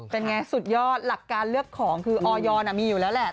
เป็นไงสุดยอดหลักการเลือกของคือออยมีอยู่แล้วแหละ